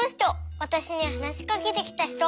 わたしにはなしかけてきた人。